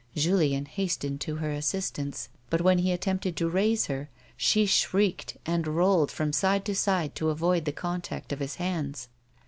Julien hastened to her assistance, but when he attempted to raise her, she shrieked and rolled from side to side to avoid the contact of his hands.